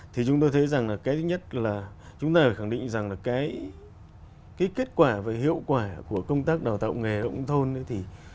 thì chúng tôi thấy rằng là cái thứ nhất là chúng ta phải khẳng định rằng là cái kết quả và hiệu quả của công tác đào tạo nghề nông thôn